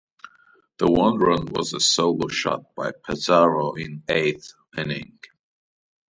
The one run was a solo shot by Pizarro in the eighth inning.